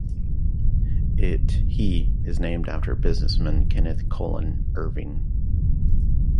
It/He is named after businessman Kenneth Colin Irving.